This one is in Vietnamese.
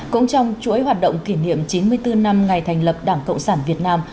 cũng trong chuỗi hoạt động kỷ niệm chín mươi bốn năm ngày thành lập đảng cộng sản việt nam